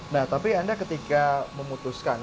nah tapi anda ketika memutuskan